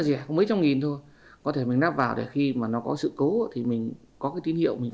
rẻ có mấy trăm nghìn thôi có thể mình nắp vào để khi mà nó có sự cố thì mình có cái tín hiệu mình